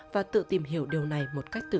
và tự tìm hiểu điều này một cách khác